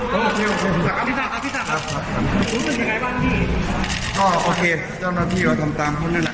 รู้สึกยังไงบ้างที่นี่อ๋อโอเคจำนวนพี่เราทำตามเขาเนี่ยแหละ